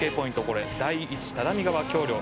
これ第一只見川橋梁」